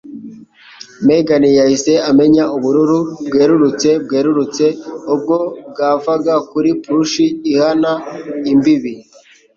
Megan yahise amenya ubururu bwerurutse bwerurutse ubwo bwavaga kuri brush ihana imbibi.